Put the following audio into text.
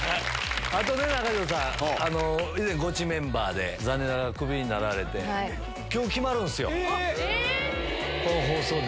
あとね、中条さん、以前、ゴチメンバーで残念ながらクビになられて、きょう、決まるんすよ、この放送で。